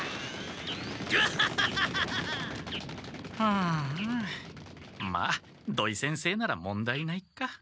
あまっ土井先生なら問題ないっか！